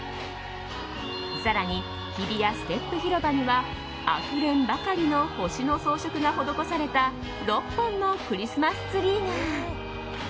更に、日比谷ステップ広場にはあふれんばかりの星の装飾が施された６本のクリスマスツリーが。